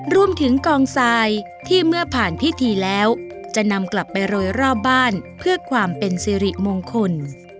รวมถึงกองทรายที่เมื่อผ่านพิธีแล้วจะนำกลับไปโรยรอบบ้านเพื่อความเป็นสิริมงคล